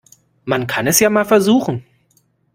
Man kann es ja mal versuchen.